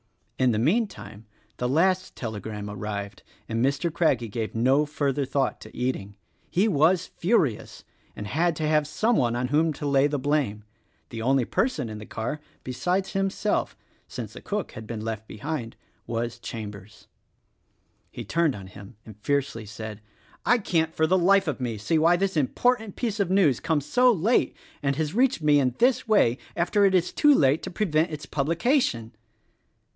In the meantime the last telegram arrived and Mr. Craggie gave no further thought to eating. He was furious, and had to have some one on whom to lay the blame. The only person in the car — besides himself — since the cook had been left behind — was Chambers. He turned on him and fiercely said, "I can't for the life of me see why this important piece of news comes so late, and has reached me in this way after it is too late to prevent its publication."